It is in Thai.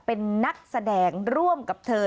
เป็นนักแสดงร่วมกับเธอ